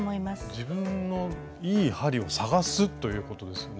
自分のいい針を探すということですね。